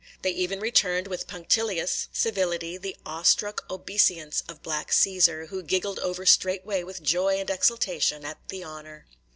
They even returned, with punctilious civility, the awe struck obeisance of black Cæsar, who giggled over straightway with joy and exultation at the honor.